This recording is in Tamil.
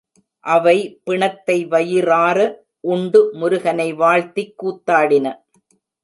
அவை பிணத்தை வயிறார உண்டு, முருகனை வாழ்த்திக் கூத்தாடின.